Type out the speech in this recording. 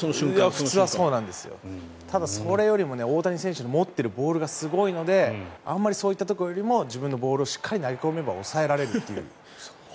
普通はそうなんですがそれよりも大谷選手の持っているボールがすごいのであまりそういったところよりも自分のボールをしっかり投げ込めば抑えられるという。